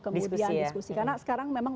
kemudian diskusi karena sekarang memang